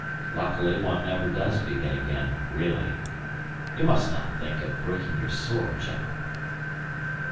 Luckily one never does begin again really. You must not think of breaking your sword, general."